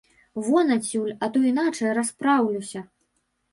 Вон адсюль, а то іначай распраўлюся!